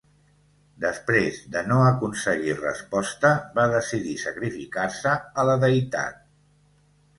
Després de no aconseguir resposta, va decidir sacrificar-se a la deïtat.